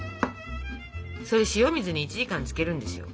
それ塩水に１時間つけるんですよ。